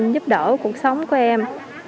giúp đỡ cuộc sống của em